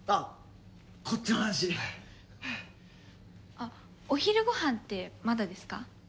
あっお昼ご飯ってまだですか？